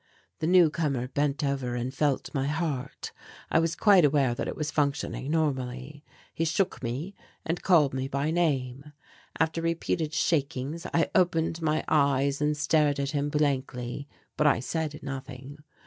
The newcomer bent over and felt my heart. I was quite aware that it was functioning normally. He shook me and called me by name. After repeated shakings I opened my eyes and stared at him blankly, but I said nothing.